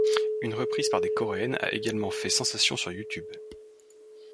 Une reprise par des Coréennes a également fait sensation sur YouTube.